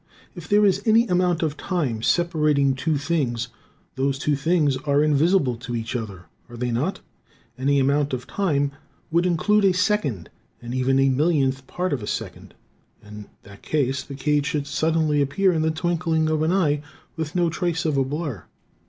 If there is any amount of time separating two things, those two things are invisible to each other, are they not? Any amount of time would include a second, and even a millionth part of a second. In that case, the cage should suddenly appear in the twinkling of an eye, with no trace of a blur.